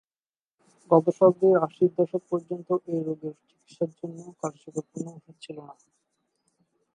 গত শতাব্দীর আশির দশক পর্যন্ত এই রোগের চিকিৎসার জন্য কার্যকর কোনো ঔষধ ছিল না।